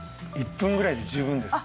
１分ぐらいで十分です。